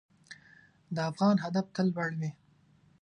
د افغان هدف تل لوړ وي.